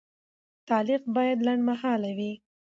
تعلیق باید لنډمهاله وي.